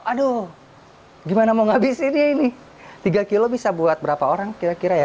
tiga kg aduh gimana mau ngabisin ini tiga kg bisa buat berapa orang kira kira ya